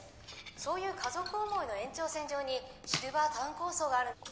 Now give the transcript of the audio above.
「そういう家族思いの延長線上にシルバータウン構想がある」